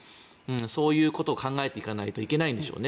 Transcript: そういうことを考えていなかないといけないんでしょう。